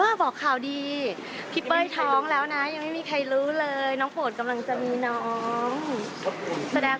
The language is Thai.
บอกข่าวดีพี่เป้ยท้องแล้วนะยังไม่มีใครรู้เลยน้องโปรดกำลังจะมีน้องแสดง